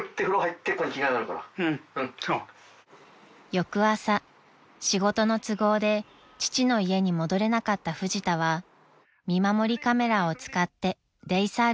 ［翌朝仕事の都合で父の家に戻れなかったフジタは見守りカメラを使ってデイサービスに送り出します］